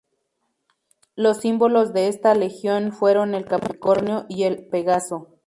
Los símbolos de esta legión fueron el capricornio y el pegaso.